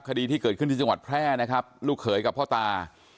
คดีที่เกิดขึ้นที่จังหวัดแพร่นะครับลูกเขยกับพ่อตา